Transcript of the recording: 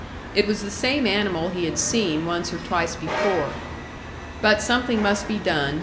It was the same animal he had seen once or twice before. But something must be done.